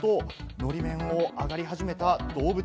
のり面を上り始めた動物。